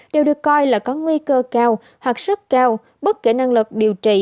đều được coi là có nguy cơ cao hoặc sức cao bất kỳ năng lực điều trị